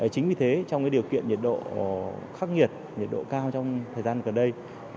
chính vì thế trong điều kiện nhiệt độ khắc nghiệt nhiệt độ cao trong thời gian gần đây